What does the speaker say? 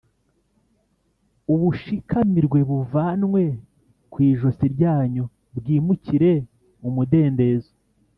ubushikamirwe buvanwe ku ijosi ryanyu, bwimukire umudendezo.